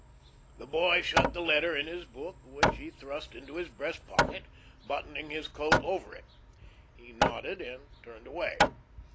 The boy shut the letter in his book, which he thrust into his breast pocket, buttoning his coat over it. He nodded and turned away.